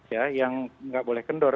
ya yang nggak boleh kendor